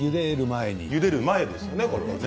ゆでる前ですね。